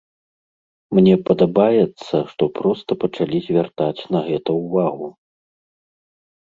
Мне падабаецца, што проста пачалі звяртаць на гэта ўвагу.